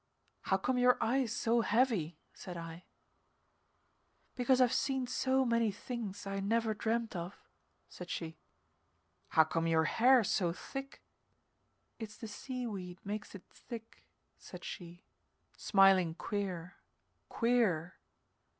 "How come your eyes so heavy?" said I. "Because I've seen so many things I never dreamed of," said she. "How come your hair so thick?" "It's the seaweed makes it thick," said she smiling queer, queer.